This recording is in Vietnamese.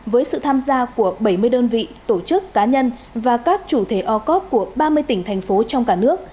với sự tham gia của bảy mươi đơn vị tổ chức cá nhân và các chủ thể o cop của ba đơn vị